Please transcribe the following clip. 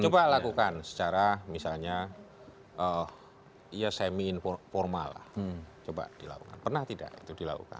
coba lakukan secara misalnya ya semi informal lah coba dilakukan pernah tidak itu dilakukan